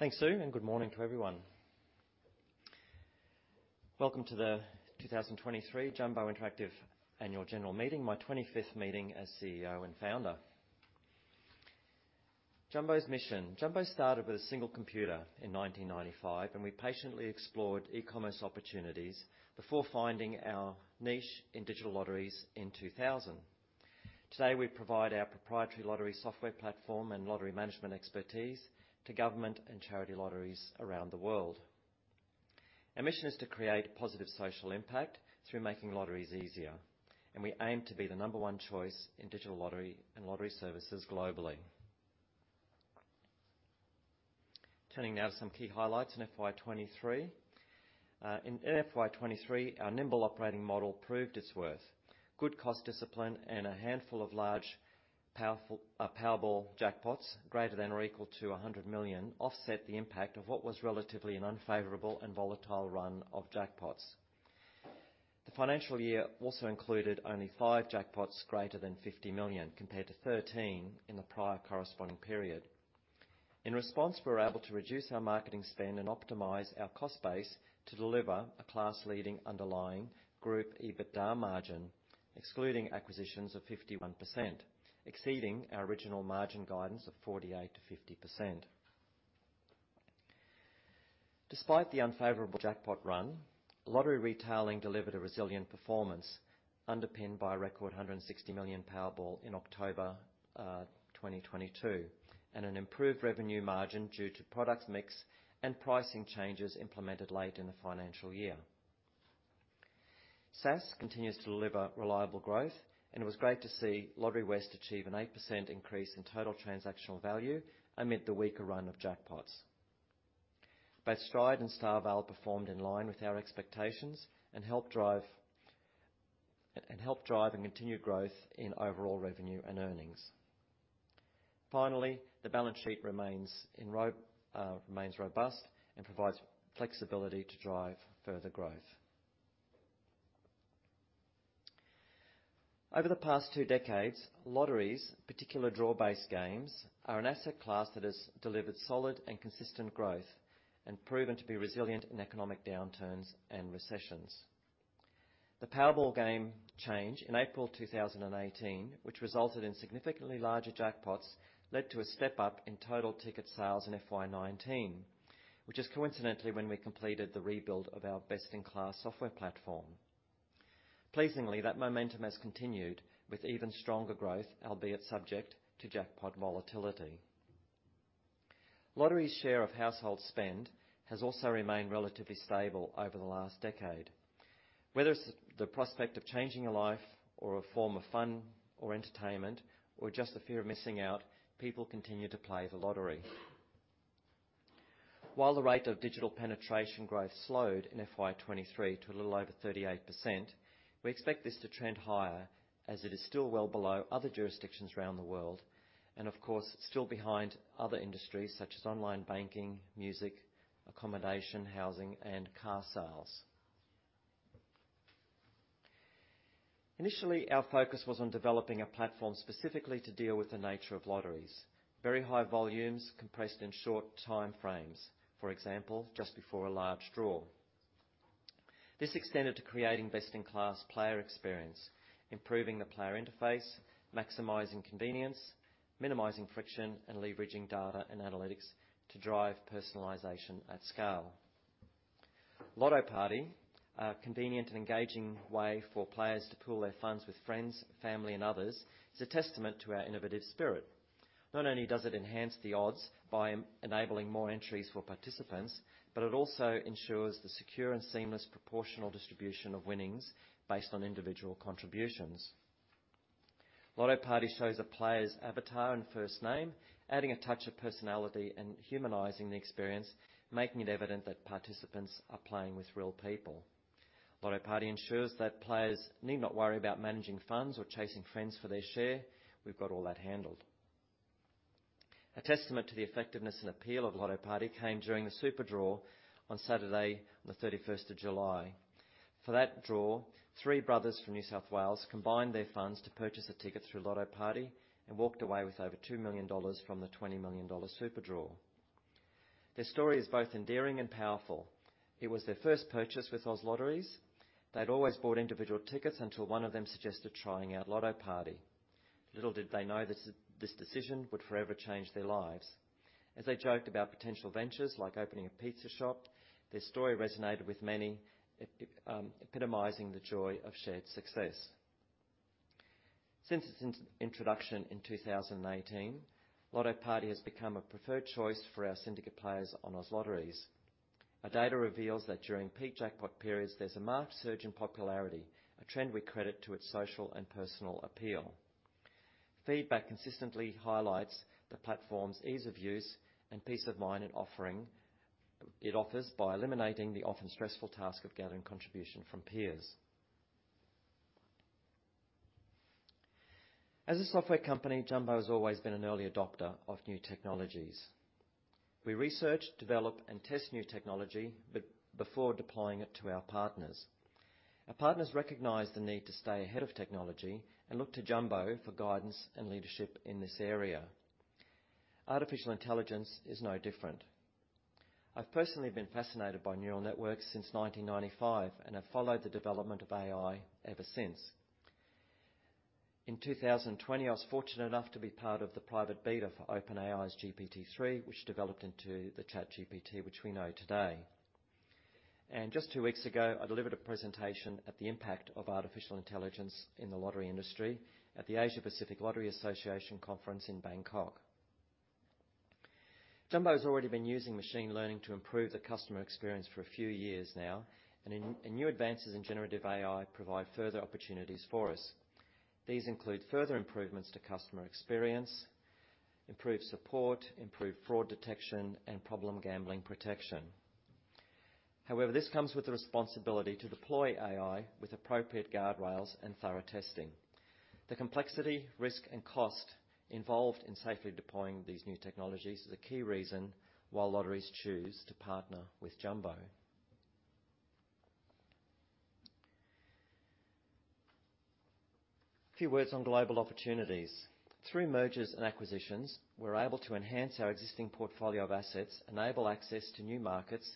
Thanks, Sue, and good morning to everyone. Welcome to the 2023 Jumbo Interactive Annual General Meeting, my 25th meeting as CEO and founder. Jumbo's mission: Jumbo started with a single computer in 1995, and we patiently explored e-commerce opportunities before finding our niche in digital lotteries in 2000. Today, we provide our proprietary lottery software platform and lottery management expertise to government and charity lotteries around the world. Our mission is to create positive social impact through making lotteries easier, and we aim to be the number one choice in digital lottery and lottery services globally. Turning now to some key highlights in FY 2023. In FY 2023, our nimble operating model proved its worth. Good cost discipline and a handful of large, powerful, Powerball jackpots, greater than or equal to 100 million, offset the impact of what was relatively an unfavorable and volatile run of jackpots. The financial year also included only five jackpots greater than 50 million, compared to 13 in the prior corresponding period. In response, we were able to reduce our marketing spend and optimize our cost base to deliver a class-leading underlying group EBITDA margin, excluding acquisitions of 51%, exceeding our original margin guidance of 48%-50%. Despite the unfavorable jackpot run, lottery retailing delivered a resilient performance, underpinned by a record 160 million Powerball in October 2022, and an improved revenue margin due to product mix and pricing changes implemented late in the financial year. SaaS continues to deliver reliable growth, and it was great to see Lotterywest achieve an 8% increase in total transactional value amid the weaker run of jackpots. Both Stride and StarVale performed in line with our expectations and helped drive and continue growth in overall revenue and earnings. Finally, the balance sheet remains robust and provides flexibility to drive further growth. Over the past two decades, lotteries, particular draw-based games, are an asset class that has delivered solid and consistent growth and proven to be resilient in economic downturns and recessions. The Powerball game change in April 2018, which resulted in significantly larger jackpots, led to a step-up in total ticket sales in FY 2019, which is coincidentally when we completed the rebuild of our best-in-class software platform. Pleasingly, that momentum has continued with even stronger growth, albeit subject to jackpot volatility. Lottery's share of household spend has also remained relatively stable over the last decade. Whether it's the prospect of changing a life or a form of fun or entertainment, or just the fear of missing out, people continue to play the lottery. While the rate of digital penetration growth slowed in FY 2023 to a little over 38%, we expect this to trend higher, as it is still well below other jurisdictions around the world, and of course, still behind other industries such as online banking, music, accommodation, housing, and car sales. Initially, our focus was on developing a platform specifically to deal with the nature of lotteries. Very high volumes compressed in short time frames, for example, just before a large draw. This extended to creating best-in-class player experience, improving the player interface, maximizing convenience, minimizing friction, and leveraging data and analytics to drive personalization at scale. Lotto Party, a convenient and engaging way for players to pool their funds with friends, family, and others, is a testament to our innovative spirit. Not only does it enhance the odds by enabling more entries for participants, but it also ensures the secure and seamless proportional distribution of winnings based on individual contributions. Lotto Party shows a player's avatar and first name, adding a touch of personality and humanizing the experience, making it evident that participants are playing with real people. Lotto Party ensures that players need not worry about managing funds or chasing friends for their share. We've got all that handled. A testament to the effectiveness and appeal of Lotto Party came during the Super Draw on Saturday, the 31st of July. For that draw, three brothers from New South Wales combined their funds to purchase a ticket through Lotto Party and walked away with over 2 million dollars from the 20 million dollar Super Draw. Their story is both endearing and powerful. It was their first purchase with Oz Lotteries. They'd always bought individual tickets until one of them suggested trying out Lotto Party. Little did they know this decision would forever change their lives. As they joked about potential ventures like opening a pizza shop, their story resonated with many, epitomizing the joy of shared success. Since its introduction in 2018, Lotto Party has become a preferred choice for our syndicate players on Oz Lotteries. Our data reveals that during peak jackpot periods, there's a marked surge in popularity, a trend we credit to its social and personal appeal. Feedback consistently highlights the platform's ease of use and peace of mind and offering. It offers by eliminating the often stressful task of gathering contribution from peers. As a software company, Jumbo has always been an early adopter of new technologies. We research, develop, and test new technology before deploying it to our partners. Our partners recognize the need to stay ahead of technology and look to Jumbo for guidance and leadership in this area. Artificial intelligence is no different. I've personally been fascinated by neural networks since 1995, and I've followed the development of AI ever since. In 2020, I was fortunate enough to be part of the private beta for OpenAI's GPT-3, which developed into the ChatGPT, which we know today. Just two weeks ago, I delivered a presentation on the impact of artificial intelligence in the lottery industry at the Asia Pacific Lottery Association conference in Bangkok. Jumbo has already been using machine learning to improve the customer experience for a few years now, and new advances in generative AI provide further opportunities for us. These include further improvements to customer experience, improved support, improved fraud detection, and problem gambling protection. However, this comes with the responsibility to deploy AI with appropriate guardrails and thorough testing. The complexity, risk, and cost involved in safely deploying these new technologies is a key reason why lotteries choose to partner with Jumbo. A few words on global opportunities. Through mergers and acquisitions, we're able to enhance our existing portfolio of assets, enable access to new markets,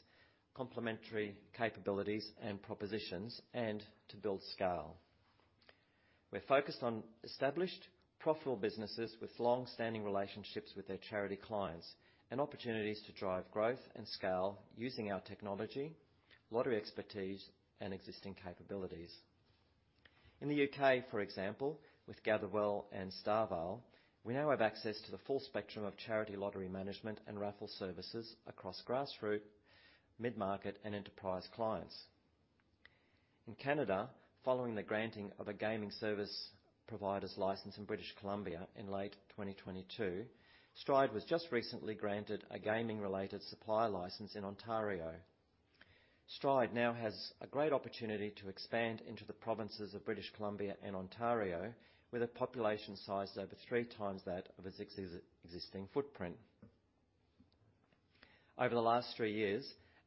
complementary capabilities and propositions, and to build scale. We're focused on established, profitable businesses with long-standing relationships with their charity clients, and opportunities to drive growth and scale using our technology, lottery expertise, and existing capabilities. In the U.K., for example, with Gatherwell and StarVale, we now have access to the full spectrum of charity lottery management and raffle services across grassroots, mid-market, and enterprise clients. In Canada, following the granting of a gaming service provider's license in British Columbia in late 2022, Stride was just recently granted a gaming-related supplier license in Ontario. Stride now has a great opportunity to expand into the provinces of British Columbia and Ontario, with a population size over three times that of its existing footprint. Over the last three years,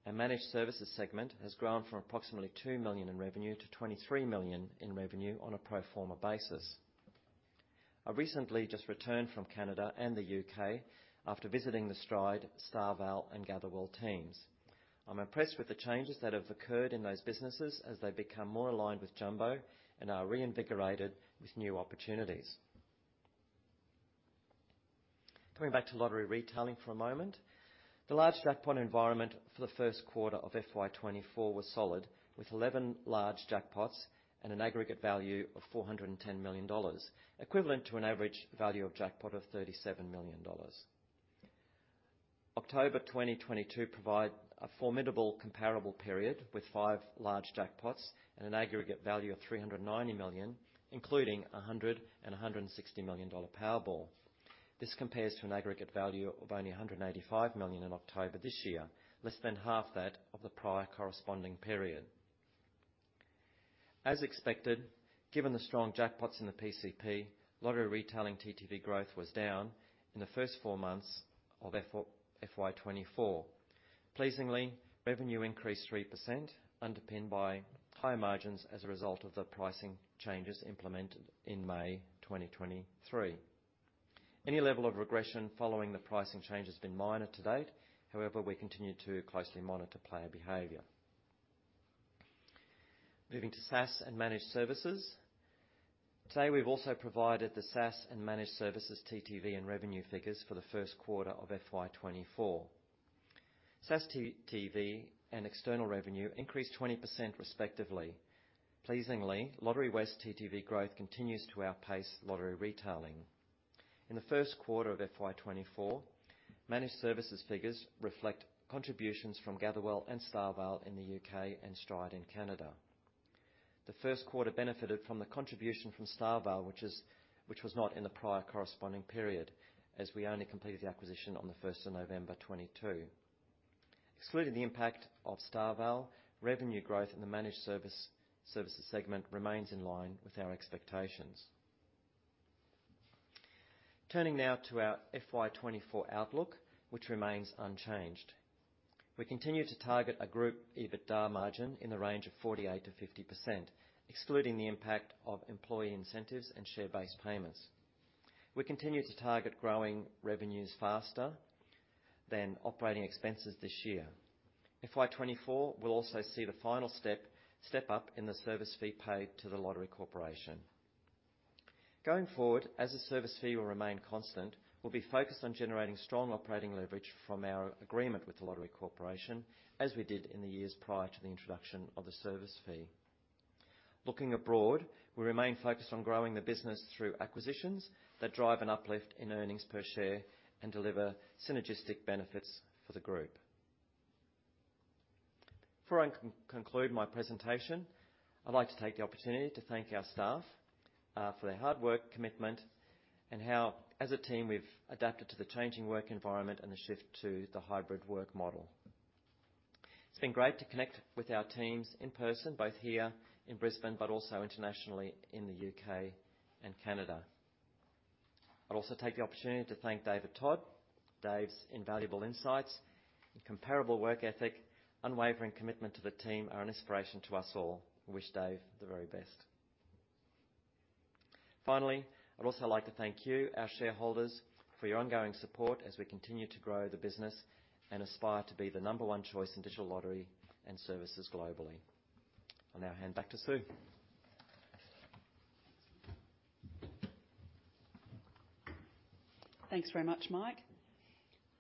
our managed services segment has grown from approximately 2 million in revenue to 23 million in revenue on a pro forma basis. I recently just returned from Canada and the U.K. after visiting the Stride, StarVale, and Gatherwell teams. I'm impressed with the changes that have occurred in those businesses as they become more aligned with Jumbo and are reinvigorated with new opportunities. Coming back to lottery retailing for a moment, the large jackpot environment for the first quarter of FY 2024 was solid, with 11 large jackpots and an aggregate value of 410 million dollars, equivalent to an average value of jackpot of 37 million dollars. October 2022 provided a formidable comparable period, with five large jackpots and an aggregate value of 390 million, including a 100 and a 100 and 60 million dollar Powerball. This compares to an aggregate value of only 185 million in October this year, less than half that of the prior corresponding period. As expected, given the strong jackpots in the PCP, lottery retailing TTV growth was down in the first 4 months of FY 2024. Pleasingly, revenue increased 3%, underpinned by high margins as a result of the pricing changes implemented in May 2023. Any level of regression following the pricing change has been minor to date. However, we continue to closely monitor player behavior. Moving to SaaS and Managed Services. Today, we've also provided the SaaS and Managed Services TTV and revenue figures for the first quarter of FY 2024. SaaS TTV and external revenue increased 20% respectively. Pleasingly, Lotterywest TTV growth continues to outpace lottery retailing. In the first quarter of FY 2024, managed services figures reflect contributions from Gatherwell and StarVale in the U.K. and Stride in Canada. The first quarter benefited from the contribution from StarVale, which was not in the prior corresponding period, as we only completed the acquisition on the first of November 2022. Excluding the impact of StarVale, revenue growth in the managed services segment remains in line with our expectations. Turning now to our FY 2024 outlook, which remains unchanged. We continue to target a group EBITDA margin in the range of 48%-50%, excluding the impact of employee incentives and share-based payments. We continue to target growing revenues faster than operating expenses this year. FY 2024 will also see the final step up in the service fee paid to The Lottery Corporation. Going forward, as the service fee will remain constant, we'll be focused on generating strong operating leverage from our agreement with The Lottery Corporation, as we did in the years prior to the introduction of the service fee. Looking abroad, we remain focused on growing the business through acquisitions that drive an uplift in earnings per share and deliver synergistic benefits for the group. Before I conclude my presentation, I'd like to take the opportunity to thank our staff for their hard work, commitment, and how, as a team, we've adapted to the changing work environment and the shift to the hybrid work model. It's been great to connect with our teams in person, both here in Brisbane, but also internationally in the U.K. and Canada. I'd also take the opportunity to thank David Todd. Dave's invaluable insights and comparable work ethic, unwavering commitment to the team are an inspiration to us all. We wish Dave the very best. Finally, I'd also like to thank you, our shareholders, for your ongoing support as we continue to grow the business and aspire to be the number one choice in digital lottery and services globally. I'll now hand back to Sue. Thanks very much, Mike.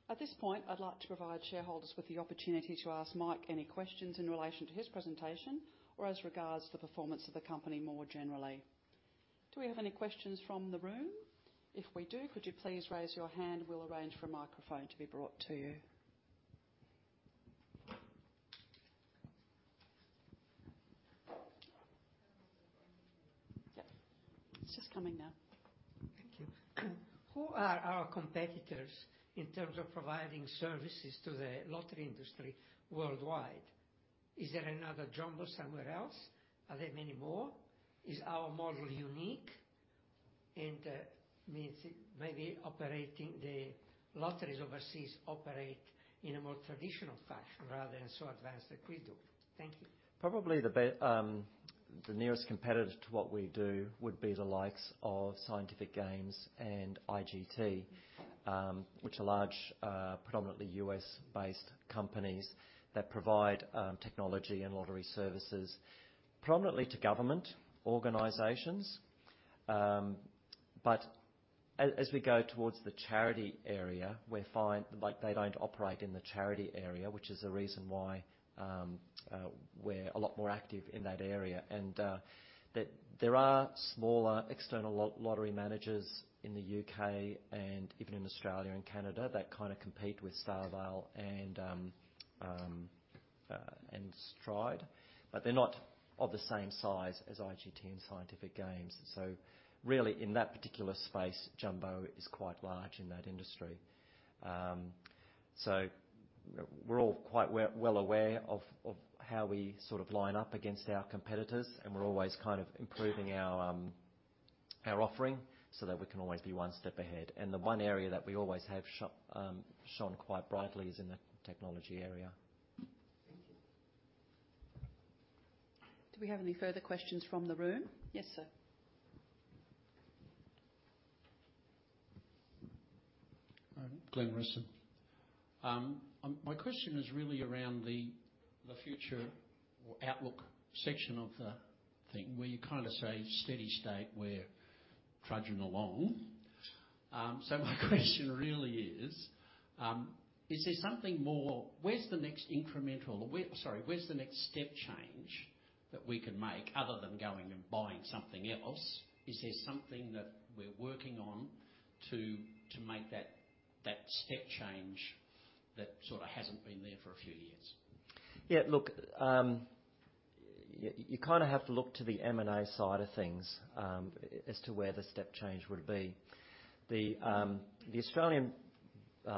At this point, I'd like to provide shareholders with the opportunity to ask Mike any questions in relation to his presentation or as regards to the performance of the company more generally. Do we have any questions from the room? If we do, could you please raise your hand? We'll arrange for a microphone to be brought to you. Yep, it's just coming now. Thank you. Who are our competitors in terms of providing services to the lottery industry worldwide? Is there another Jumbo somewhere else? Are there many more? Is our model unique and means it may be operating the lotteries overseas operate in a more traditional fashion rather than so advanced like we do? Thank you. Probably the nearest competitor to what we do would be the likes of Scientific Games and IGT, which are large, predominantly U.S.-based companies that provide, technology and lottery services, predominantly to government organizations. But as we go towards the charity area, we find like they don't operate in the charity area, which is the reason why, we're a lot more active in that area. And, there are smaller external lottery managers in the U.K. and even in Australia and Canada, that kind of compete with StarVale and, and Stride, but they're not of the same size as IGT and Scientific Games. So really, in that particular space, Jumbo is quite large in that industry. So we're all quite well aware of how we sort of line up against our competitors, and we're always kind of improving our our offering so that we can always be one step ahead. And the one area that we always have shone quite brightly is in the technology area. Thank you. Do we have any further questions from the room? Yes, sir. Hi, Glenn Risson. My question is really around the future or outlook section of the thing, where you kind of say, steady state, we're trudging along. So my question really is: is there something more? Where's the next step change that we can make, other than going and buying something else? Is there something that we're working on to make that step change that sort of hasn't been there for a few years? Yeah, look, you kind of have to look to the M&A side of things, as to where the step change would be. The Australian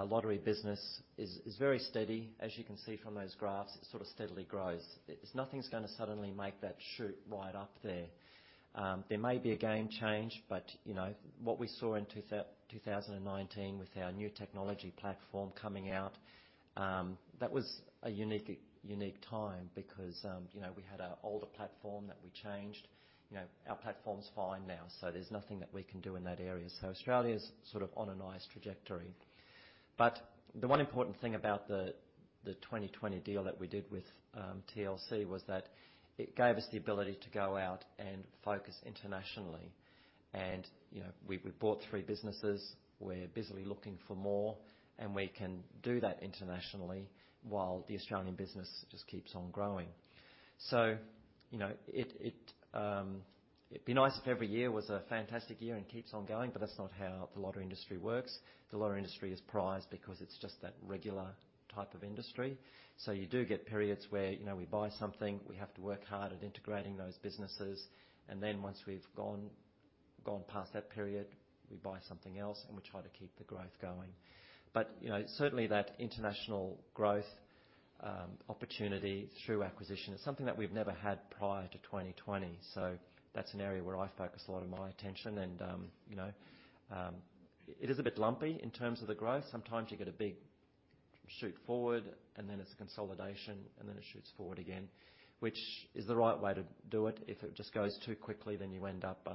lottery business is very steady, as you can see from those graphs. It sort of steadily grows. It's nothing's gonna suddenly make that shoot right up there. There may be a game change, but, you know, what we saw in 2019 with our new technology platform coming out, that was a unique, unique time because, you know, we had an older platform that we changed. You know, our platform's fine now, so there's nothing that we can do in that area. So Australia's sort of on a nice trajectory. But the one important thing about the 2020 deal that we did with TLC was that it gave us the ability to go out and focus internationally. And, you know, we bought three businesses. We're busily looking for more, and we can do that internationally while the Australian business just keeps on growing. So, you know, it'd be nice if every year was a fantastic year and keeps on going, but that's not how the lottery industry works. The lottery industry is prized because it's just that regular type of industry. So you do get periods where, you know, we buy something, we have to work hard at integrating those businesses, and then once we've gone past that period, we buy something else, and we try to keep the growth going. But, you know, certainly that international growth opportunity through acquisition is something that we've never had prior to 2020. So that's an area where I focus a lot of my attention and, you know, it is a bit lumpy in terms of the growth. Sometimes you get a big shoot forward, and then it's a consolidation, and then it shoots forward again, which is the right way to do it. If it just goes too quickly, then you end up,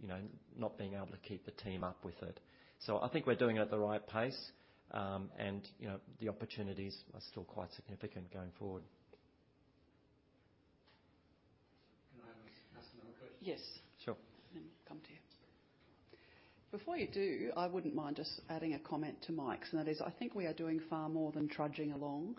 you know, not being able to keep the team up with it. So I think we're doing it at the right pace, and, you know, the opportunities are still quite significant going forward. Can I ask another question? Yes. Sure. Let me come to you. Before you do, I wouldn't mind just adding a comment to Mike's, and that is, I think we are doing far more than trudging along.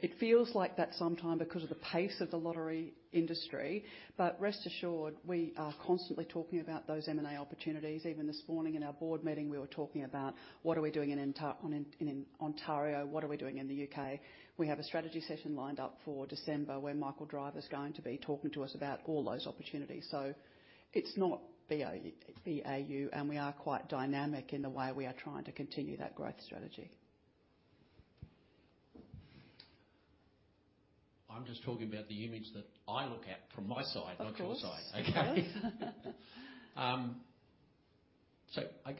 It feels like that sometimes because of the pace of the lottery industry, but rest assured, we are constantly talking about those M&A opportunities. Even this morning in our board meeting, we were talking about what are we doing in there in Ontario, what are we doing in the UK? We have a strategy session lined up for December, where Michael Driver is going to be talking to us about all those opportunities. So it's not BAU, BAU, and we are quite dynamic in the way we are trying to continue that growth strategy. I'm just talking about the image that I look at from my side- Of course. -not your side. Okay?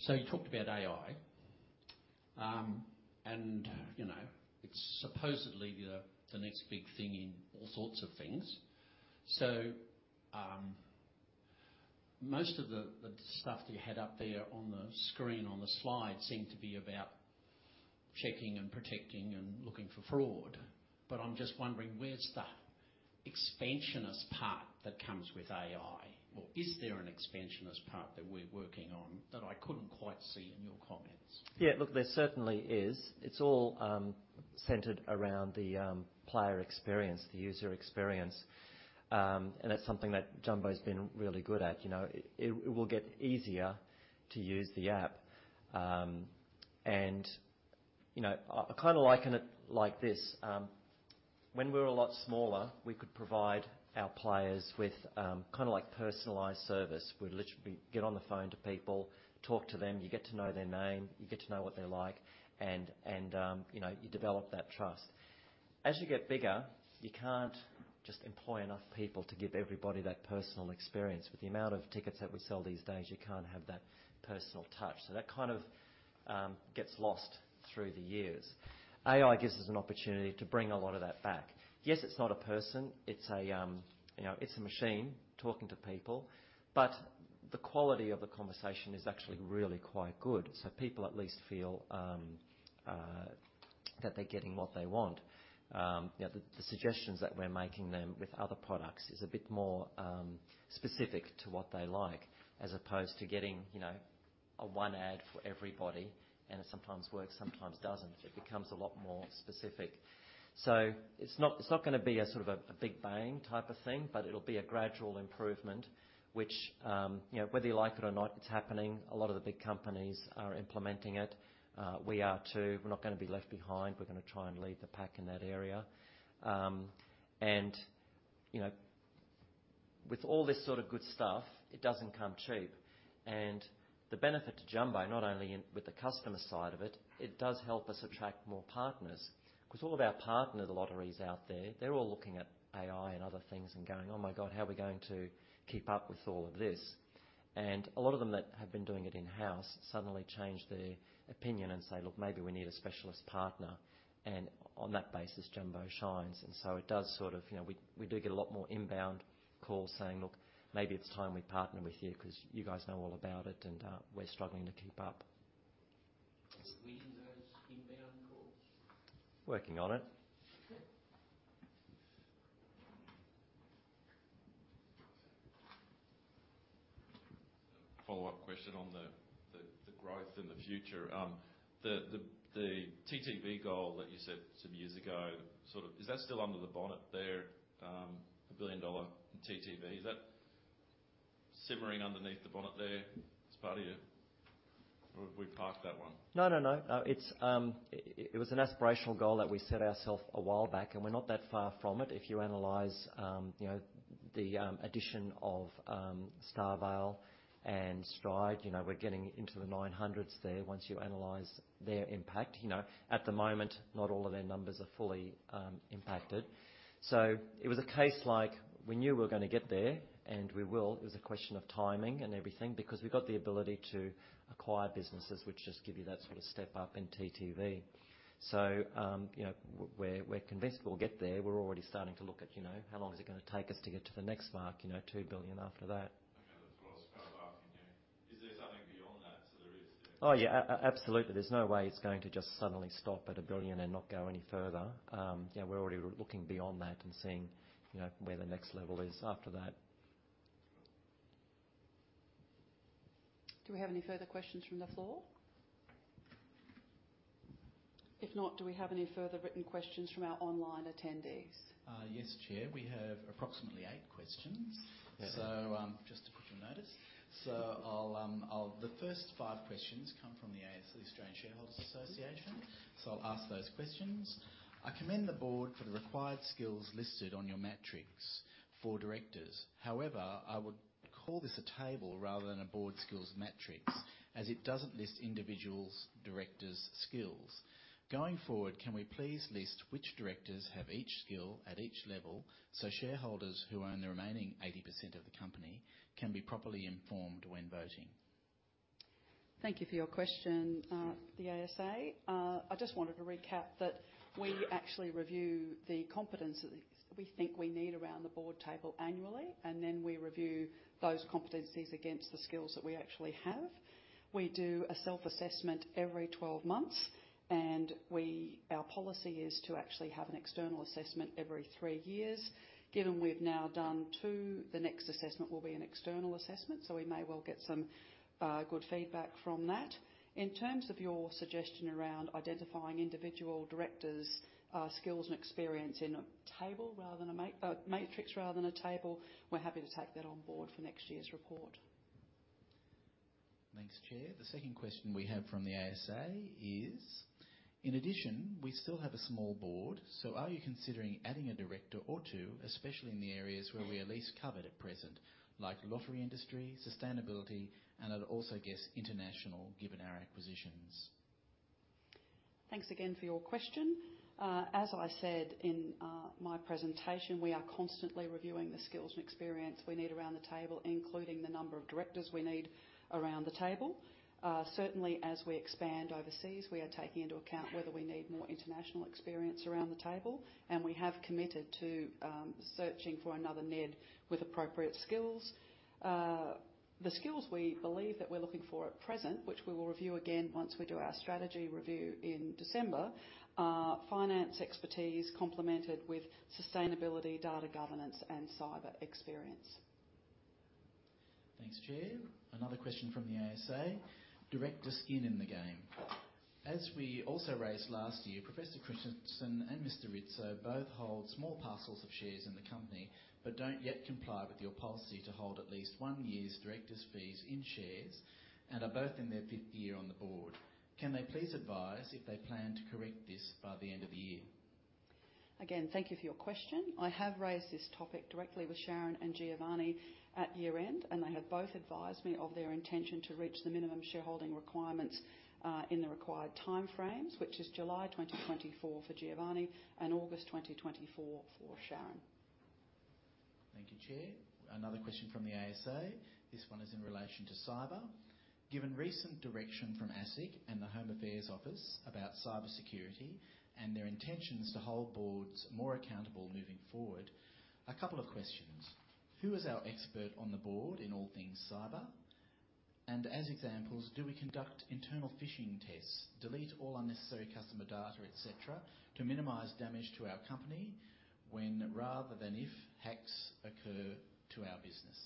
So you talked about AI. And, you know, it's supposedly the next big thing in all sorts of things. So most of the stuff that you had up there on the screen, on the slide, seemed to be about checking and protecting and looking for fraud. But I'm just wondering, where's the expansionist part that comes with AI? Or is there an expansionist part that we're working on that I couldn't quite see in your comments? Yeah, look, there certainly is. It's all centered around the player experience, the user experience. And that's something that Jumbo's been really good at. You know, it will get easier to use the app. And, you know, I kind of liken it like this: when we were a lot smaller, we could provide our players with kind of like personalized service. We'd literally get on the phone to people, talk to them, you get to know their name, you get to know what they're like, and you know, you develop that trust. As you get bigger, you can't just employ enough people to give everybody that personal experience. With the amount of tickets that we sell these days, you can't have that personal touch, so that kind of gets lost through the years. AI gives us an opportunity to bring a lot of that back. Yes, it's not a person, it's a, you know, it's a machine talking to people, but the quality of the conversation is actually really quite good, so people at least feel that they're getting what they want. You know, the suggestions that we're making them with other products is a bit more specific to what they like, as opposed to getting, you know, a one ad for everybody, and it sometimes works, sometimes doesn't. It becomes a lot more specific. So it's not, it's not gonna be a sort of a, a big bang type of thing, but it'll be a gradual improvement, which, you know, whether you like it or not, it's happening. A lot of the big companies are implementing it. We are too. We're not gonna be left behind. We're gonna try and lead the pack in that area. And, you know, with all this sort of good stuff, it doesn't come cheap. And the benefit to Jumbo, not only in, with the customer side of it, it does help us attract more partners. Because all of our partner lotteries out there, they're all looking at AI and other things and going, "Oh, my God, how are we going to keep up with all of this?" And a lot of them that have been doing it in-house suddenly change their opinion and say, "Look, maybe we need a specialist partner." And on that basis, Jumbo shines. And so it does sort of, you know, we do get a lot more inbound calls saying: "Look, maybe it's time we partner with you, 'cause you guys know all about it, and we're struggling to keep up. Do we do those inbound calls? Working on it. A follow-up question on the growth in the future. The TTV goal that you set some years ago, sort of, is that still under the bonnet there? An 1 billion TTV, is that simmering underneath the bonnet there as part of you, or have we parked that one? No, it's, it was an aspirational goal that we set ourself a while back, and we're not that far from it. If you analyze, you know, the addition of StarVale and Stride, you know, we're getting into the nine hundreds there once you analyze their impact. You know, at the moment, not all of their numbers are fully impacted. So it was a case like we knew we were gonna get there, and we will. It was a question of timing and everything, because we've got the ability to acquire businesses which just give you that sort of step up in TTV. So, you know, we're, we're convinced we'll get there. We're already starting to look at, you know, how long is it gonna take us to get to the next mark, you know, 2 billion after that. Okay, that's what I was kind of asking you. Is there something beyond that? So there is, yeah- Oh, yeah. Absolutely. There's no way it's going to just suddenly stop at 1 billion and not go any further. Yeah, we're already looking beyond that and seeing, you know, where the next level is after that. Do we have any further questions from the floor? If not, do we have any further written questions from our online attendees? Yes, Chair. We have approximately eight questions. Yeah. So, just to put you on notice. So I'll the first five questions come from the ASA, Australian Shareholders Association, so I'll ask those questions. I commend the board for the required skills listed on your metrics for directors. However, I would call this a table rather than a board skills matrix, as it doesn't list individual directors' skills. Going forward, can we please list which directors have each skill at each level, so shareholders who own the remaining 80% of the company can be properly informed when voting? Thank you for your question, the ASA. I just wanted to recap that we actually review the competencies we think we need around the board table annually, and then we review those competencies against the skills that we actually have. We do a self-assessment every 12 months, and our policy is to actually have an external assessment every three years. Given we've now done two, the next assessment will be an external assessment, so we may well get some good feedback from that. In terms of your suggestion around identifying individual directors' skills and experience in a table rather than a matrix rather than a table, we're happy to take that on board for next year's report. Thanks, Chair. The second question we have from the ASA is: In addition, we still have a small board, so are you considering adding a director or two, especially in the areas where we are least covered at present, like lottery industry, sustainability, and I'd also guess international, given our acquisitions? Thanks again for your question. As I said in my presentation, we are constantly reviewing the skills and experience we need around the table, including the number of directors we need around the table. Certainly, as we expand overseas, we are taking into account whether we need more international experience around the table, and we have committed to searching for another NED with appropriate skills. The skills we believe that we're looking for at present, which we will review again once we do our strategy review in December, are finance expertise complemented with sustainability, data governance, and cyber experience. Thanks, Chair. Another question from the ASA. Directors' skin in the game. As we also raised last year, Professor Christensen and Mr. Rizzo both hold small parcels of shares in the company, but don't yet comply with your policy to hold at least one year's director's fees in shares, and are both in their fifth year on the board. Can they please advise if they plan to correct this by the end of the year? Again, thank you for your question. I have raised this topic directly with Sharon and Giovanni at year-end, and they have both advised me of their intention to reach the minimum shareholding requirements in the required time frames, which is July 2024 for Giovanni and August 2024 for Sharon. Thank you, Chair. Another question from the ASA. This one is in relation to cyber. Given recent direction from ASIC and the Home Affairs Office about cybersecurity and their intentions to hold boards more accountable moving forward, a couple of questions. Who is our expert on the board in all things cyber? And as examples, do we conduct internal phishing tests, delete all unnecessary customer data, et cetera, to minimize damage to our company when, rather than if, hacks occur to our business?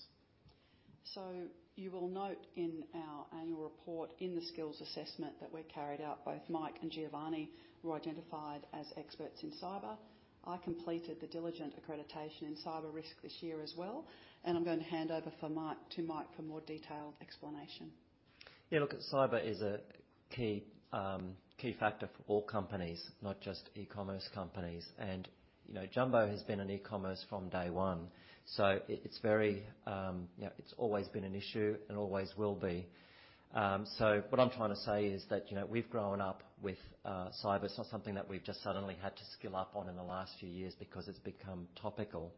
You will note in our annual report, in the skills assessment that we carried out, both Mike and Giovanni were identified as experts in cyber. I completed the Diligent accreditation in cyber risk this year as well, and I'm going to hand over to Mike for more detailed explanation. Yeah, look, cyber is a key, key factor for all companies, not just e-commerce companies. And, you know, Jumbo has been an e-commerce from day one, so it, it's very, you know, it's always been an issue and always will be. So what I'm trying to say is that, you know, we've grown up with cyber. It's not something that we've just suddenly had to skill up on in the last few years because it's become topical.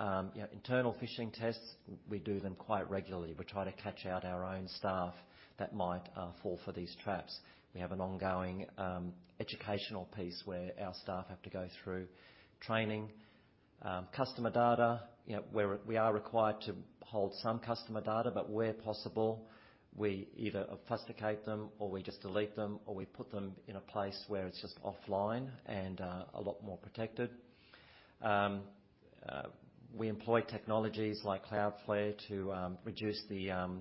You know, internal phishing tests, we do them quite regularly. We try to catch out our own staff that might fall for these traps. We have an ongoing educational piece where our staff have to go through training. Customer data, you know, where we are required to hold some customer data, but where possible, we either obfuscate them, or we just delete them, or we put them in a place where it's just offline and a lot more protected. We employ technologies like Cloudflare to reduce the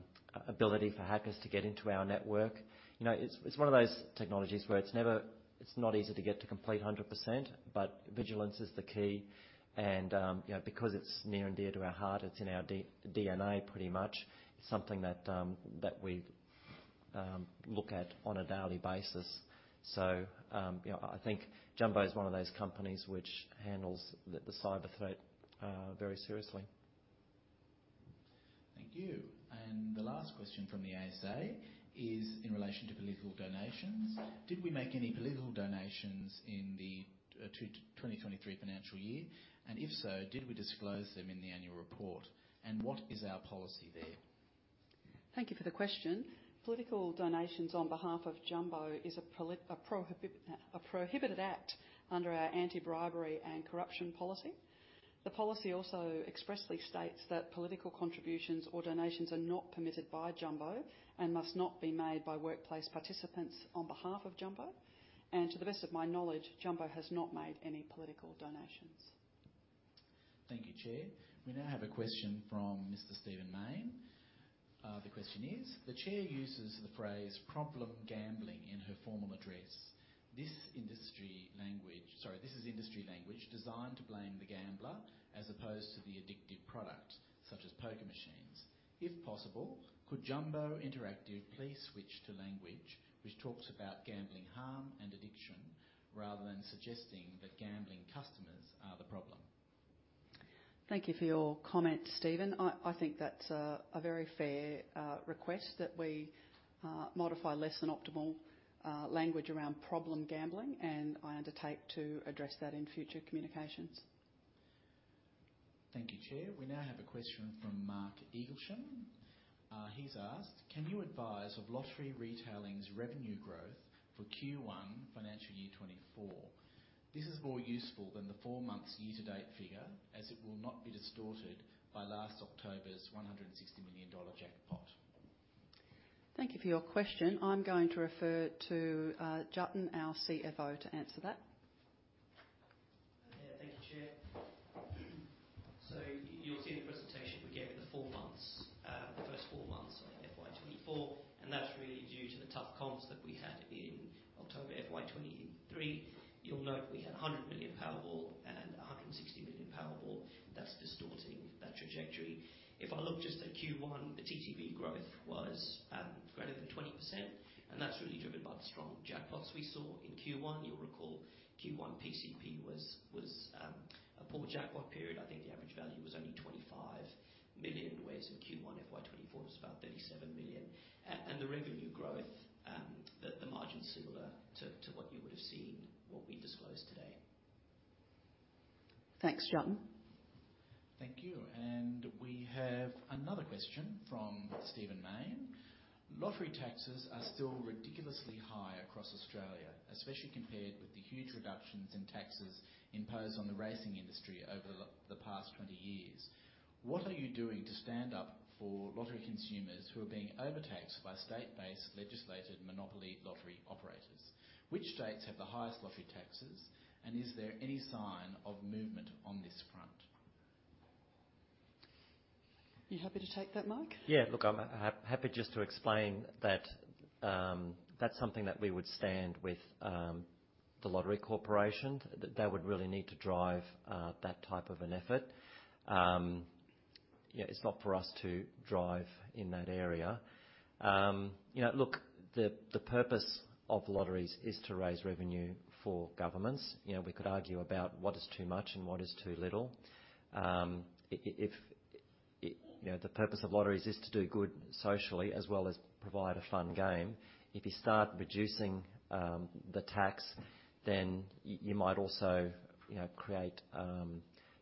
ability for hackers to get into our network. You know, it's one of those technologies where it's never, it's not easy to get to complete 100%, but vigilance is the key. You know, because it's near and dear to our heart, it's in our DNA, pretty much, it's something that we look at on a daily basis. You know, I think Jumbo is one of those companies which handles the cyber threat very seriously. Thank you. And the last question from the ASA is in relation to political donations. Did we make any political donations in the 2023 financial year? And if so, did we disclose them in the annual report? And what is our policy there? Thank you for the question. Political donations on behalf of Jumbo is a prohibited act under our anti-bribery and corruption policy. The policy also expressly states that political contributions or donations are not permitted by Jumbo and must not be made by workplace participants on behalf of Jumbo. And to the best of my knowledge, Jumbo has not made any political donations. Thank you, Chair. We now have a question from Mr. Stephen Mayne. The question is: The Chair uses the phrase "problem gambling" in her formal address. This industry language. Sorry, this is industry language designed to blame the gambler as opposed to the addictive product, such as poker machines. If possible, could Jumbo Interactive please switch to language which talks about gambling harm and addiction, rather than suggesting that gambling customers are the problem? Thank you for your comment, Stephen. I think that's a very fair request that we modify less than optimal language around problem gambling, and I undertake to address that in future communications. Thank you, Chair. We now have a question from Mark Eaglesham. He's asked: Can you advise of Lottery Retailing's revenue growth for Q1 financial year 2024? This is more useful than the four months year-to-date figure, as it will not be distorted by last October's 160 million dollar jackpot. Thank you for your question. I'm going to refer to Jatin, our CFO, to answer that. Yeah. Thank you, Chair. So you'll see in the presentation, we gave the four months, the first four months of FY 2024, and that's really due to the tough comps that we had in October FY 2023. You'll note we had a AUD 100 million Powerball and a AUD 160 million Powerball. That's distorting that trajectory. If I look just at Q1, the TTV growth was greater than 20%, and that's really driven by the strong jackpots we saw in Q1. You'll recall Q1 PCP was a poor jackpot period. I think the average value was only 25 million, whereas in Q1, FY 2024 was about 37 million. And the revenue growth, the margin's similar to what you would have seen, what we disclosed today. Thanks. Graeme? Thank you. We have another question from Stephen Maine: Lottery taxes are still ridiculously high across Australia, especially compared with the huge reductions in taxes imposed on the racing industry over the past 20 years. What are you doing to stand up for lottery consumers who are being overtaxed by state-based legislated monopoly lottery operators? Which states have the highest lottery taxes, and is there any sign of movement on this front? You happy to take that, Mike? Yeah, look, I'm happy just to explain that, that's something that we would stand with the Lottery Corporation. They would really need to drive that type of an effort. You know, it's not for us to drive in that area. You know, look, the purpose of lotteries is to raise revenue for governments. You know, we could argue about what is too much and what is too little. If you know, the purpose of lotteries is to do good socially as well as provide a fun game. If you start reducing the tax, then you might also, you know, create,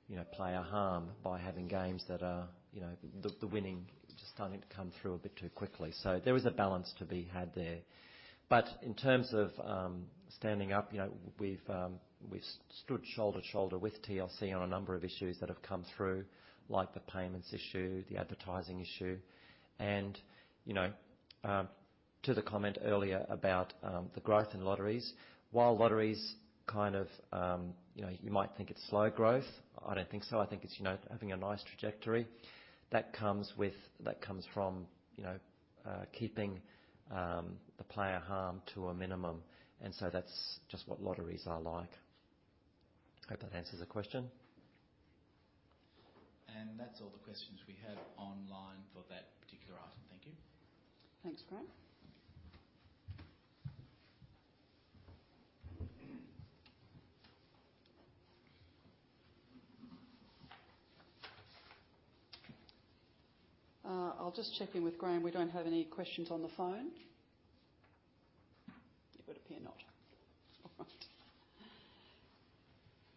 you know, player harm by having games that are, you know, the winning just starting to come through a bit too quickly. So there is a balance to be had there. But in terms of standing up, you know, we've stood shoulder to shoulder with TLC on a number of issues that have come through, like the payments issue, the advertising issue. And, you know, to the comment earlier about the growth in lotteries. While lotteries kind of, you know, you might think it's slow growth, I don't think so. I think it's, you know, having a nice trajectory. That comes with, that comes from, you know, keeping the player harm to a minimum, and so that's just what lotteries are like. Hope that answers the question. That's all the questions we have online for that particular item. Thank you. Thanks, Graeme. I'll just check in with Graeme. We don't have any questions on the phone? It would appear not. All right.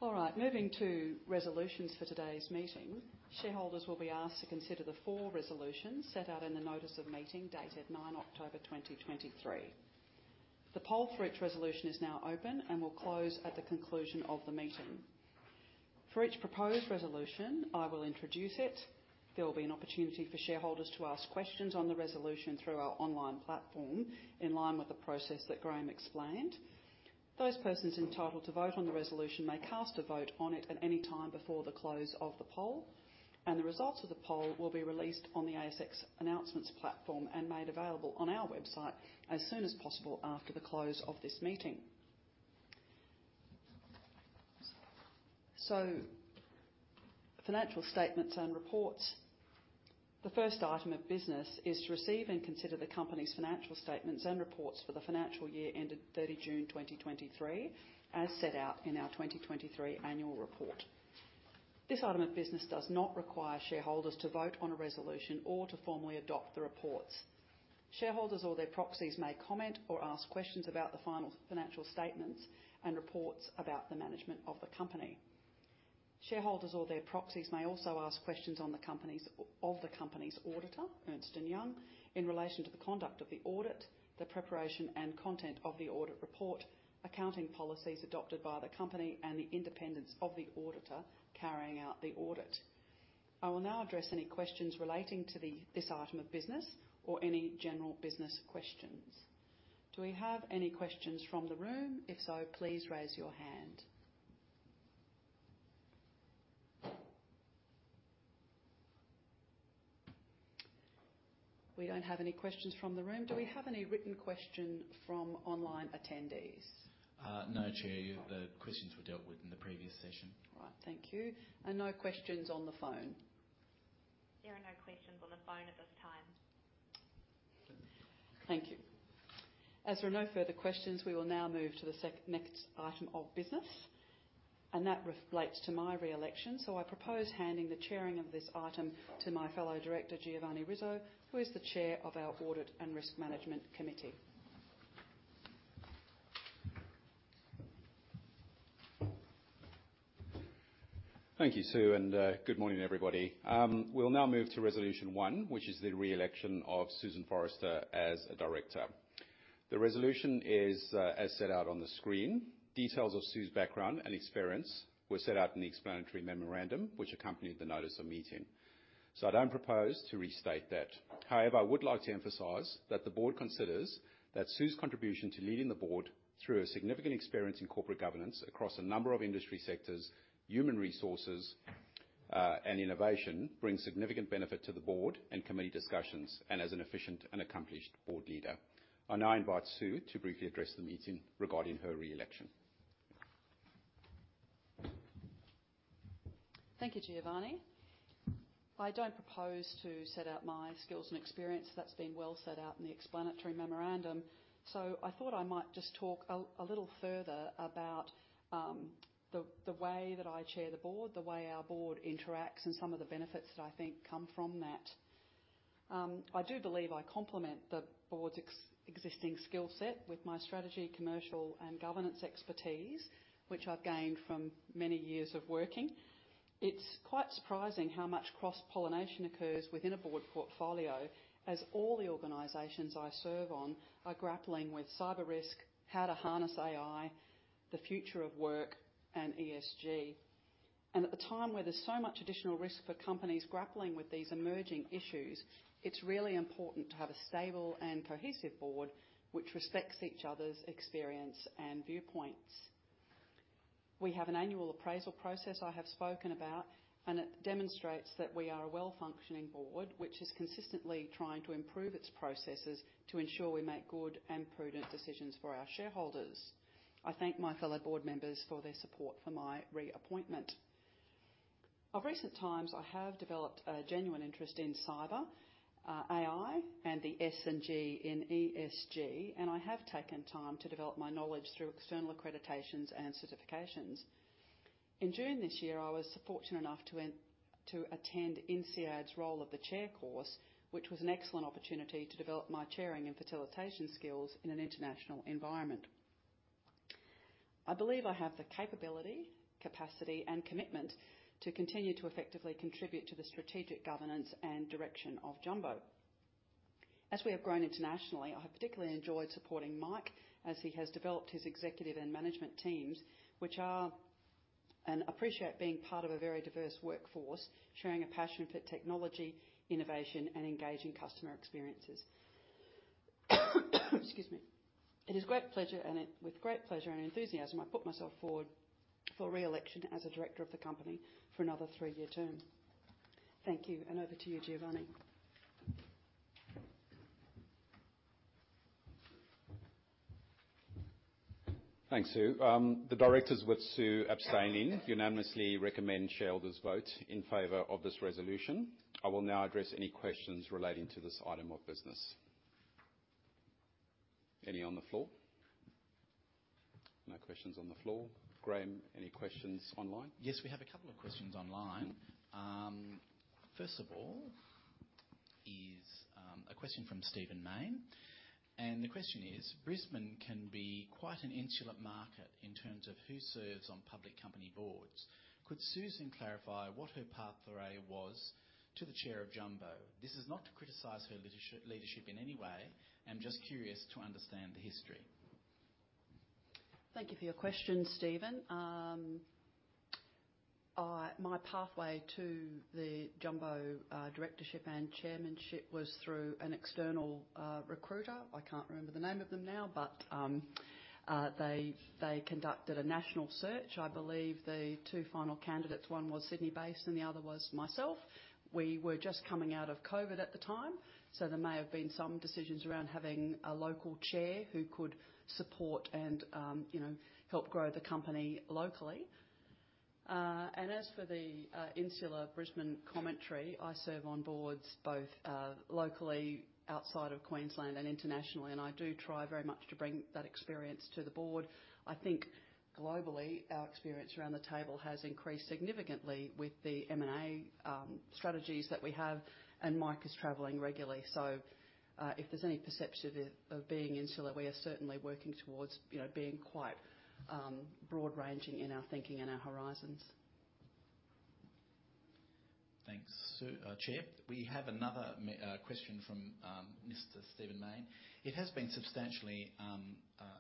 All right, moving to resolutions for today's meeting. Shareholders will be asked to consider the four resolutions set out in the notice of meeting, dated 9 October 2023. The poll for each resolution is now open and will close at the conclusion of the meeting. For each proposed resolution, I will introduce it. There will be an opportunity for shareholders to ask questions on the resolution through our online platform, in line with the process that Graeme explained. Those persons entitled to vote on the resolution may cast a vote on it at any time before the close of the poll, and the results of the poll will be released on the ASX announcements platform and made available on our website as soon as possible after the close of this meeting. So financial statements and reports. The first item of business is to receive and consider the company's financial statements and reports for the financial year ended 30 June 2023, as set out in our 2023 annual report. This item of business does not require shareholders to vote on a resolution or to formally adopt the reports. Shareholders or their proxies may comment or ask questions about the final financial statements and reports about the management of the company. Shareholders or their proxies may also ask questions of the company's auditor, Ernst & Young, in relation to the conduct of the audit, the preparation and content of the audit report, accounting policies adopted by the company, and the independence of the auditor carrying out the audit. I will now address any questions relating to this item of business or any general business questions. Do we have any questions from the room? If so, please raise your hand. We don't have any questions from the room. Do we have any written question from online attendees? No, Chair. The questions were dealt with in the previous session. Right, thank you. And no questions on the phone? There are no questions on the phone at this time. Thank you. As there are no further questions, we will now move to the next item of business, and that relates to my re-election. I propose handing the chairing of this item to my fellow director, Giovanni Rizzo, who is the chair of our Audit and Risk Management Committee. Thank you, Sue, and good morning, everybody. We'll now move to resolution one, which is the re-election of Susan Forrester as a director. The resolution is as set out on the screen. Details of Sue's background and experience were set out in the Explanatory Memorandum, which accompanied the notice of meeting. So I don't propose to restate that. However, I would like to emphasize that the board considers that Sue's contribution to leading the board through a significant experience in corporate governance across a number of industry sectors, human resources, and innovation, brings significant benefit to the board and committee discussions, and as an efficient and accomplished board leader. I now invite Sue to briefly address the meeting regarding her re-election. Thank you, Giovanni. I don't propose to set out my skills and experience. That's been well set out in the Explanatory Memorandum. So I thought I might just talk a little further about the way that I chair the board, the way our board interacts, and some of the benefits that I think come from that. I do believe I complement the board's existing skill set with my strategy, commercial, and governance expertise, which I've gained from many years of working. It's quite surprising how much cross-pollination occurs within a board portfolio, as all the organizations I serve on are grappling with cyber risk, how to harness AI, the future of work, and ESG. At a time where there's so much additional risk for companies grappling with these emerging issues, it's really important to have a stable and cohesive board which respects each other's experience and viewpoints. We have an annual appraisal process I have spoken about, and it demonstrates that we are a well-functioning board, which is consistently trying to improve its processes to ensure we make good and prudent decisions for our shareholders. I thank my fellow board members for their support for my reappointment. Of recent times, I have developed a genuine interest in cyber, AI, and the S and G in ESG, and I have taken time to develop my knowledge through external accreditations and certifications. In June this year, I was fortunate enough to to attend INSEAD's Role of the Chair course, which was an excellent opportunity to develop my chairing and facilitation skills in an international environment. I believe I have the capability, capacity, and commitment to continue to effectively contribute to the strategic governance and direction of Jumbo. As we have grown internationally, I have particularly enjoyed supporting Mike as he has developed his executive and management teams, which are and appreciate being part of a very diverse workforce, sharing a passion for technology, innovation, and engaging customer experiences. Excuse me. It is great pleasure, with great pleasure and enthusiasm, I put myself forward for re-election as a director of the company for another three-year term. Thank you, and over to you, Giovanni. Thanks, Sue. The directors, with Sue abstaining, unanimously recommend shareholders vote in favor of this resolution. I will now address any questions relating to this item of business. Any on the floor? No questions on the floor. Graeme, any questions online? Yes, we have a couple of questions online. First of all, a question from Stephen Maine, and the question is: Brisbane can be quite an insular market in terms of who serves on public company boards. Could Susan clarify what her pathway was to the chair of Jumbo? This is not to criticize her leadership in any way. I'm just curious to understand the history. Thank you for your question, Stephen. My pathway to the Jumbo directorship and chairmanship was through an external recruiter. I can't remember the name of them now, but they conducted a national search. I believe the two final candidates, one was Sydney-based, and the other was myself. We were just coming out of COVID at the time, so there may have been some decisions around having a local chair who could support and, you know, help grow the company locally. And as for the insular Brisbane commentary, I serve on boards both locally, outside of Queensland, and internationally, and I do try very much to bring that experience to the board. I think globally, our experience around the table has increased significantly with the M&A strategies that we have, and Mike is traveling regularly. If there's any perception of being insular, we are certainly working towards, you know, being quite broad-ranging in our thinking and our horizons. Thanks, Chair. We have another question from Mr. Stephen Maine. It has been substantially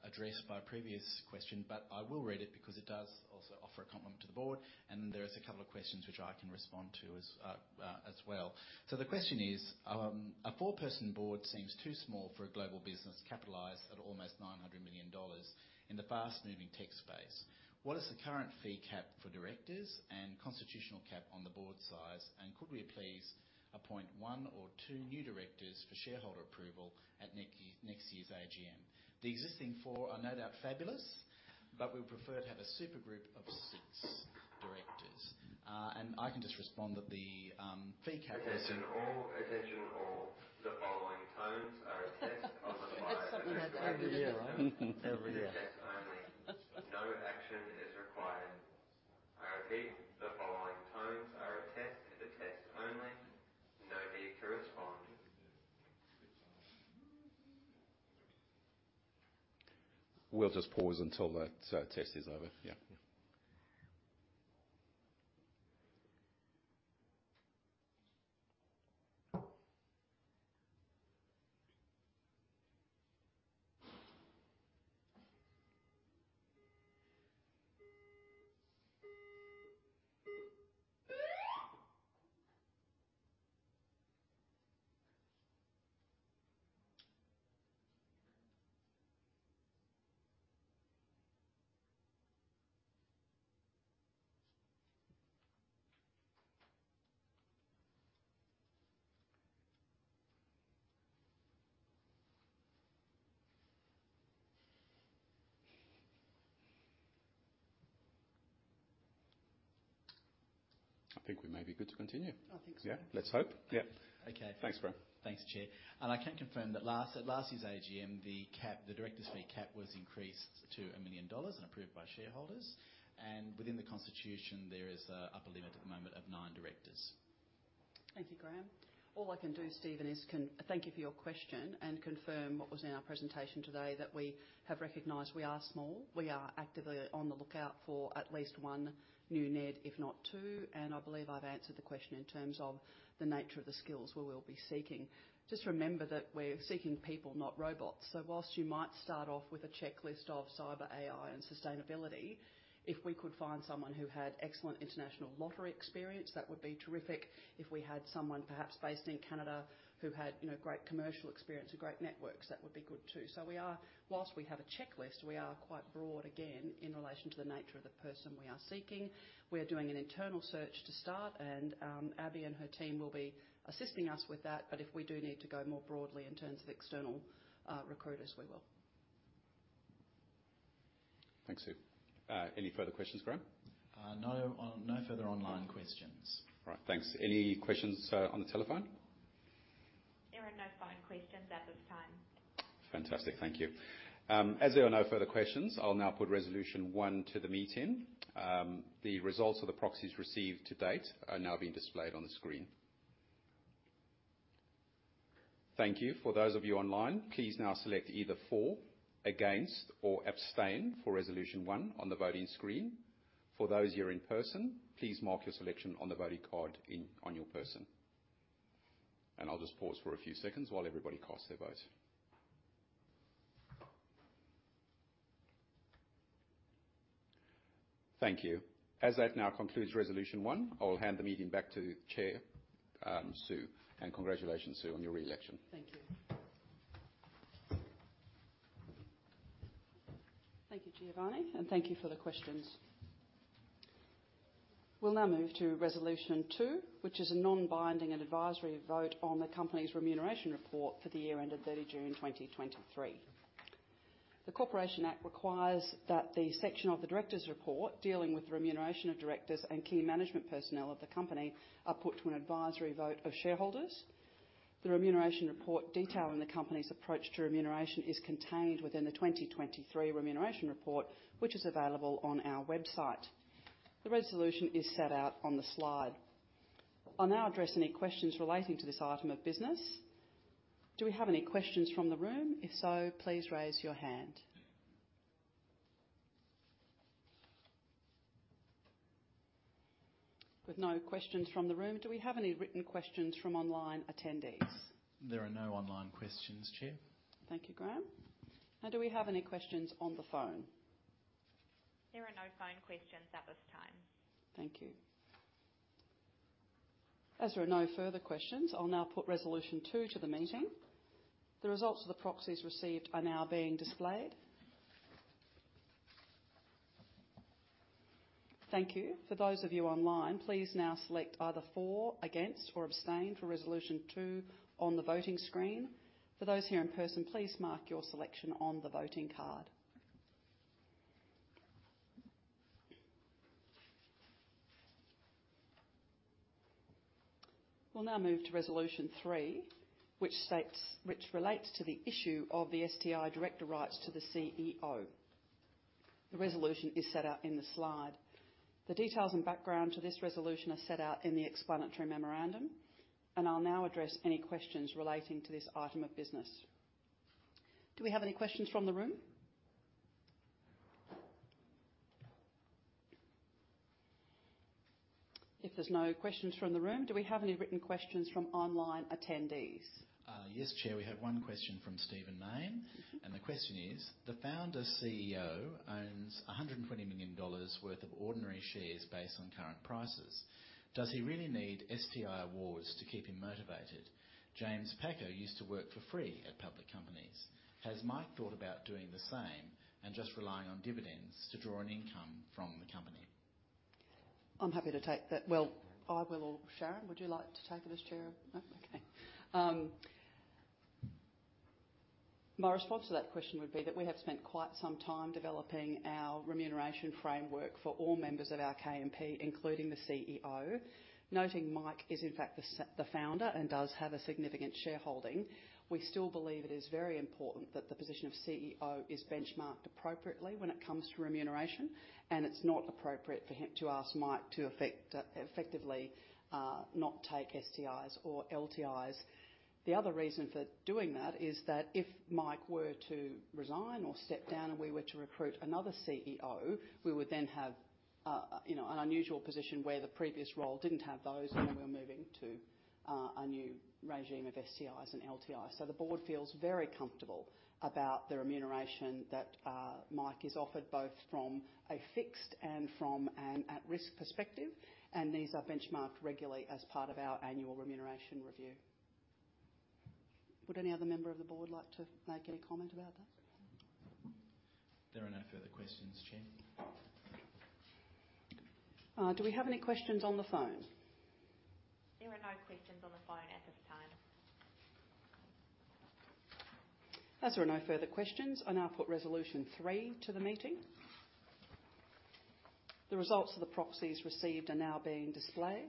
addressed by a previous question, but I will read it because it does also offer a compliment to the board, and there is a couple of questions which I can respond to as well. So the question is: A four-person board seems too small for a global business capitalized at almost 900 million dollars in the fast-moving tech space. What is the current fee cap for directors and constitutional cap on the board size? And could we please appoint one or two new directors for shareholder approval at next year's AGM? The existing four are no doubt fabulous, but we would prefer to have a super group of six directors. And I can just respond that the fee cap- We'll just pause until that test is over. Yeah. I think we may be good to continue. I think so. Yeah, let's hope. Yeah. Okay. Thanks, Graeme. Thanks, Chair. I can confirm that, at last year's AGM, the cap, the directors' fee cap was increased to 1 million dollars and approved by shareholders. Within the Constitution, there is an upper limit at the moment of nine directors. Thank you, Graeme. All I can do, Stephen, is thank you for your question, and confirm what was in our presentation today, that we have recognized we are small. We are actively on the lookout for at least one new NED, if not two, and I believe I've answered the question in terms of the nature of the skills we will be seeking. Just remember that we're seeking people, not robots. So while you might start off with a checklist of cyber, AI, and sustainability, if we could find someone who had excellent international lottery experience, that would be terrific. If we had someone perhaps based in Canada who had, you know, great commercial experience and great networks, that would be good, too. So we are, while we have a checklist, we are quite broad, again, in relation to the nature of the person we are seeking. We are doing an internal search to start, and Abby and her team will be assisting us with that, but if we do need to go more broadly in terms of external recruiters, we will. Thanks, Sue. Any further questions, Graeme? No further online questions. All right. Thanks. Any questions on the telephone? There are no phone questions at this time. Fantastic. Thank you. As there are no further questions, I'll now put Resolution one to the meeting. The results of the proxies received to date are now being displayed on the screen. Thank you. For those of you online, please now select either for, against, or abstain for Resolution one on the voting screen. For those here in person, please mark your selection on the voting card in, on your person. I'll just pause for a few seconds while everybody casts their vote. Thank you. As that now concludes Resolution one, I will hand the meeting back to Chair, Sue, and congratulations, Sue, on your re-election. Thank you. Thank you, Giovanni, and thank you for the questions. We'll now move to Resolution 2, which is a non-binding and advisory vote on the company's remuneration report for the year ended 30 June 2023. The Corporations Act requires that the section of the directors' report dealing with remuneration of directors and key management personnel of the company are put to an advisory vote of shareholders. The remuneration report detailing the company's approach to remuneration is contained within the 2023 remuneration report, which is available on our website. The resolution is set out on the slide. I'll now address any questions relating to this item of business. Do we have any questions from the room? If so, please raise your hand. With no questions from the room, do we have any written questions from online attendees? There are no online questions, Chair. Thank you, Graeme. Do we have any questions on the phone? There are no phone questions at this time. Thank you. As there are no further questions, I'll now put Resolution 2 to the meeting. The results of the proxies received are now being displayed. Thank you. For those of you online, please now select either for, against, or abstain for Resolution 2 on the voting screen. For those here in person, please mark your selection on the voting card. We'll now move to Resolution 3, which states, which relates to the issue of the STI director rights to the CEO. The resolution is set out in the slide. The details and background to this resolution are set out in the explanatory memorandum, and I'll now address any questions relating to this item of business. Do we have any questions from the room? If there's no questions from the room, do we have any written questions from online attendees? Yes, Chair, we have one question from Stephen Maine, and the question is: "The founder CEO owns 120 million dollars worth of ordinary shares based on current prices. Does he really need STI awards to keep him motivated? James Packer used to work for free at public companies. Has Mike thought about doing the same and just relying on dividends to draw an income from the company? I'm happy to take that. Well, I will or Sharon, would you like to take it as chair? No, okay. My response to that question would be that we have spent quite some time developing our remuneration framework for all members of our KMP, including the CEO. Noting Mike is in fact the founder and does have a significant shareholding, we still believe it is very important that the position of CEO is benchmarked appropriately when it comes to remuneration, and it's not appropriate for him to ask Mike to effectively not take STIs or LTIs. The other reason for doing that is that if Mike were to resign or step down, and we were to recruit another CEO, we would then have, you know, an unusual position where the previous role didn't have those, and then we're moving to a new regime of STIs and LTIs. So the board feels very comfortable about the remuneration that Mike is offered, both from a fixed and from an at-risk perspective, and these are benchmarked regularly as part of our annual remuneration review. Would any other member of the board like to make any comment about that? There are no further questions. Do we have any questions on the phone? There are no questions on the phone at this time. As there are no further questions, I now put Resolution 3 to the meeting. The results of the proxies received are now being displayed.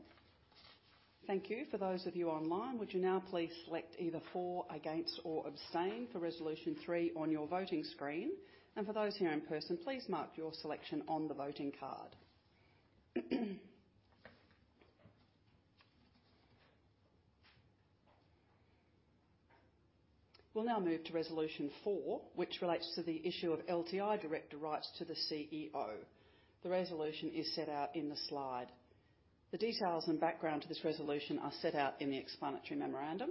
Thank you. For those of you online, would you now please select either for, against, or abstain for Resolution 3 on your voting screen? For those here in person, please mark your selection on the voting card. We'll now move to Resolution 4, which relates to the issue of LTI director rights to the CEO. The resolution is set out in the slide. The details and background to this resolution are set out in the explanatory memorandum,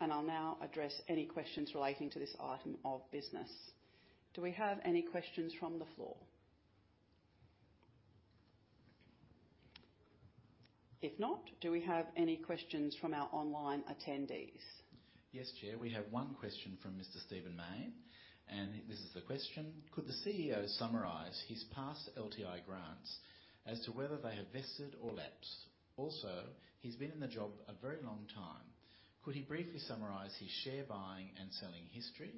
and I'll now address any questions relating to this item of business. Do we have any questions from the floor? If not, do we have any questions from our online attendees? Yes, Chair. We have one question from Mr. Stephen Maine, and this is the question: "Could the CEO summarize his past LTI grants as to whether they have vested or lapsed? Also, he's been in the job a very long time. Could he briefly summarize his share buying and selling history?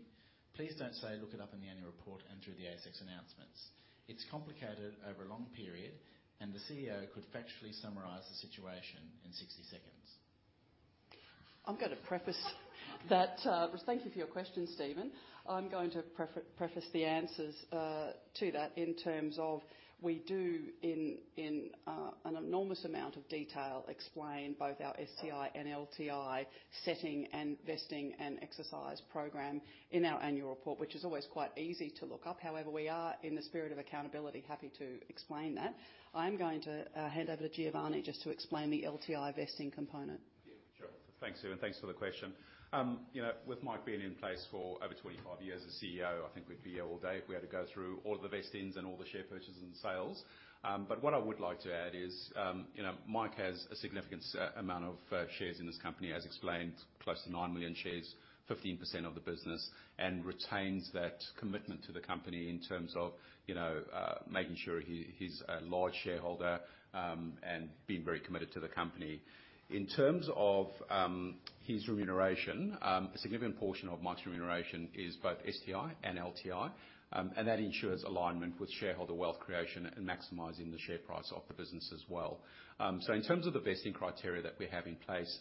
Please don't say, 'Look it up in the annual report and through the ASX announcements.' It's complicated over a long period, and the CEO could factually summarize the situation in 60 seconds. I'm going to preface that. Thank you for your question, Stephen. I'm going to preface the answers to that in terms of we do in an enormous amount of detail explain both our STI and LTI setting and vesting and exercise program in our annual report, which is always quite easy to look up. However, we are in the spirit of accountability happy to explain that. I'm going to hand over to Giovanni just to explain the LTI vesting component. Yeah, sure. Thanks, Susan. Thanks for the question. You know, with Mike being in place for over 25 years as CEO, I think we'd be here all day if we had to go through all the vestings and all the share purchases and sales. But what I would like to add is, you know, Mike has a significant amount of shares in this company, as explained, close to 9 million shares, 15% of the business, and retains that commitment to the company in terms of, you know, making sure he's a large shareholder, and being very committed to the company. In terms of his remuneration, a significant portion of Mike's remuneration is both STI and LTI, and that ensures alignment with shareholder wealth creation and maximizing the share price of the business as well. So in terms of the vesting criteria that we have in place,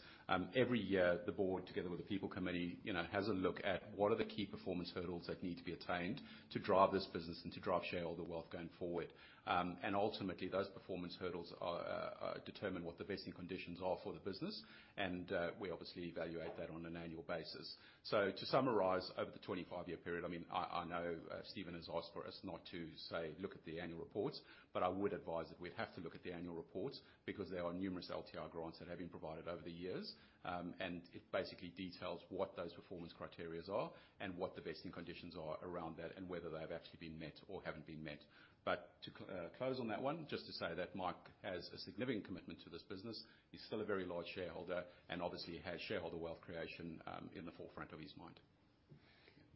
every year, the board, together with the People Committee, you know, has a look at what are the key performance hurdles that need to be attained to drive this business and to drive shareholder wealth going forward. And ultimately, those performance hurdles are determined what the vesting conditions are for the business, and we obviously evaluate that on an annual basis. So to summarize, over the 25-year period, I mean, I know Stephen has asked for us not to say, "Look at the annual reports," but I would advise that we'd have to look at the annual reports, because there are numerous LTI grants that have been provided over the years. It basically details what those performance criteria are and what the vesting conditions are around that, and whether they have actually been met or haven't been met. But to close on that one, just to say that Mike has a significant commitment to this business. He's still a very large shareholder and obviously has shareholder wealth creation, in the forefront of his mind.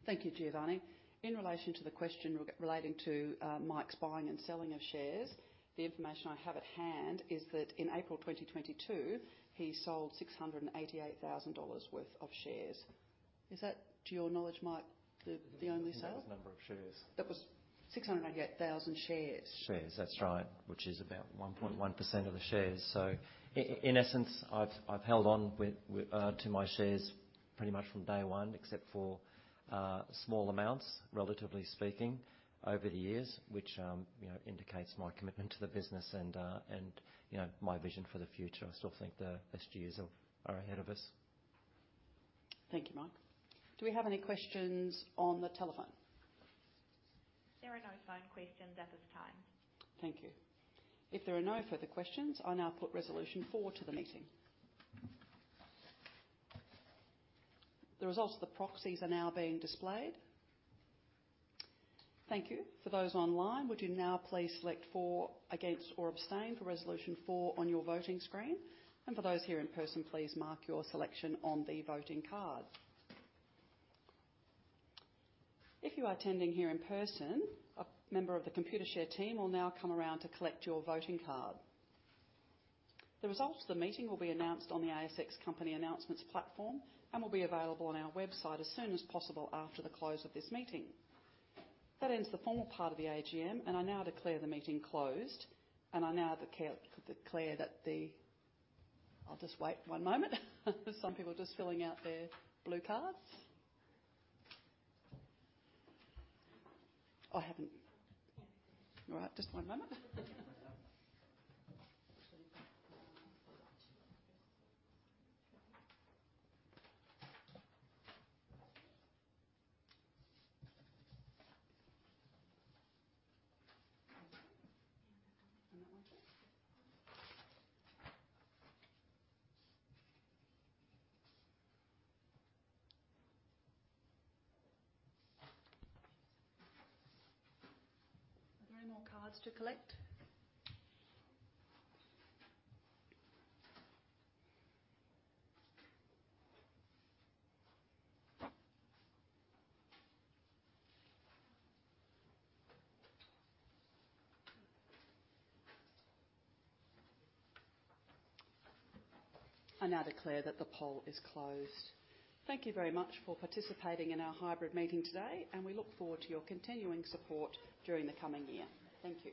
Thank you, Giovanni. In relation to the question relating to Mike's buying and selling of shares, the information I have at hand is that in April 2022, he sold 688,000 dollars worth of shares. Is that, to your knowledge, Mike, the only sale? Number of shares. That was 688,000 shares. Shares, that's right, which is about 1.1% of the shares. So in essence, I've held on to my shares pretty much from day one, except for small amounts, relatively speaking, over the years, which you know indicates my commitment to the business and you know my vision for the future. I still think the best years are ahead of us. Thank you, Mike. Do we have any questions on the telephone? There are no phone questions at this time. Thank you. If there are no further questions, I'll now put Resolution four to the meeting. The results of the proxies are now being displayed. Thank you. For those online, would you now please select for, against, or abstain for Resolution 4 on your voting screen? And for those here in person, please mark your selection on the voting card. If you are attending here in person, a member of the Computershare team will now come around to collect your voting card. The results of the meeting will be announced on the ASX company announcements platform and will be available on our website as soon as possible after the close of this meeting. That ends the formal part of the AGM, and I now declare the meeting closed, and I now declare that the. I'll just wait one moment. Some people are just filling out their blue cards. I haven't. All right, just one moment. Are there any more cards to collect? I now declare that the poll is closed. Thank you very much for participating in our hybrid meeting today, and we look forward to your continuing support during the coming year. Thank you.